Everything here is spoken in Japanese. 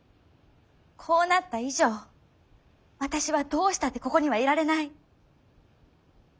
こうなった以上私はどうしたってここにはいられない。